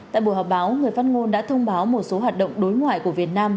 tại buổi họp báo người phát ngôn đã thông báo một số hoạt động đối ngoại của việt nam